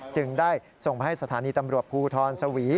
จึงได้ส่งไปให้สถานีตำรวจภูทรสวี